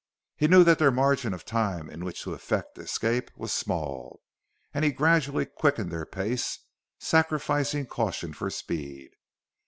He knew that their margin of time in which to effect escape was small, and he gradually quickened their pace, sacrificing caution for speed.